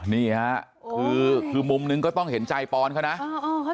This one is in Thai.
นี่ฮะคือคือมุมนึงก็ต้องเห็นใจปอลเขานะเออเออเขาใจ